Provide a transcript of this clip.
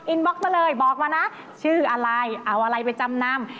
บล็อกมาเลยบอกมานะชื่ออะไรเอาอะไรไปจำนำ